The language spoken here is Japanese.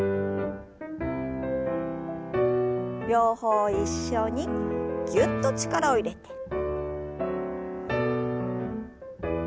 両方一緒にぎゅっと力を入れて。